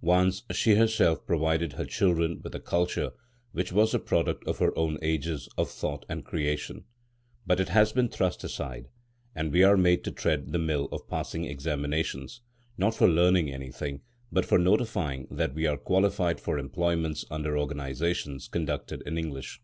Once she herself provided her children with a culture which was the product of her own ages of thought and creation. But it has been thrust aside, and we are made to tread the mill of passing examinations, not for learning anything, but for notifying that we are qualified for employments under organisations conducted in English.